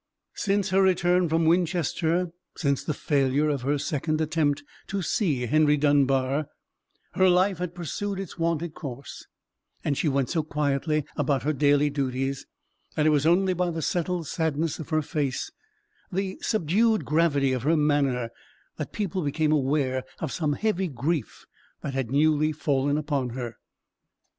Since her return from Winchester, since the failure of her second attempt to see Henry Dunbar, her life had pursued its wonted course; and she went so quietly about her daily duties, that it was only by the settled sadness of her face, the subdued gravity of her manner, that people became aware of some heavy grief that had newly fallen upon her.